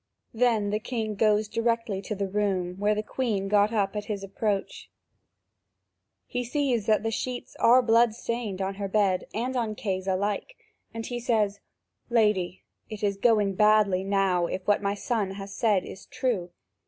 Then the king goes directly to the room, where the Queen got up at his approach. He sees that the sheets are blood stained on her bed and on Kay's alike and he says: "Lady, it is going badly now, if what my son has said is true."